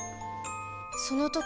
その時